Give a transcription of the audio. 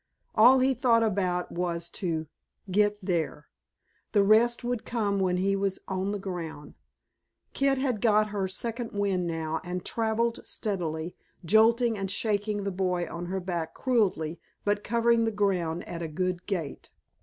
All he thought about was to get there. The rest would come when he was on the ground. Kit had got her second wind now, and traveled steadily, jolting and shaking the boy on her back cruelly, but covering the ground at a good gait.